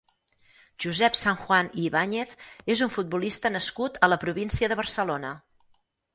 Josep Sanjuan i Ibáñez és un futbolista nascut a la província de Barcelona.